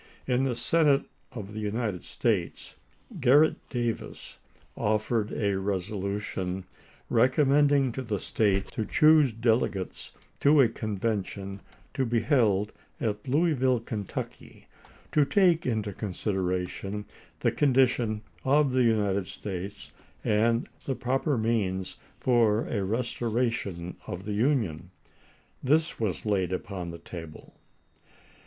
In the Senate of the United States Garrett Davis offered a resolu tion recommending to the States to choose delegates to a Convention to be held at Louisville, Kentucky, to take into consideration the condition of the United States and the proper means for a restora "Globe," tion of the Union ; this was laid upon the table.